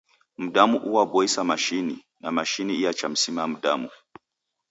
Mdamu uaboisa mashini, na mashini iachamsima mdamu!